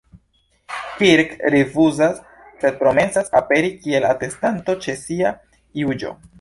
Kirk rifuzas, sed promesas aperi kiel atestanto ĉe sia juĝo.